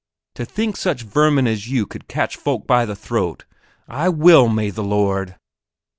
To think such vermin as you should catch folk by the throat. I will, may the Lord...."